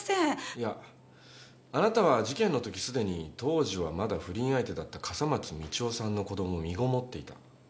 いやあなたは事件の時すでに当時はまだ不倫相手だった笠松道夫さんの子供を身ごもっていた。